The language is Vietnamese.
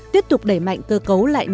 tiếp tục đẩy mạnh cơ cấu lại nền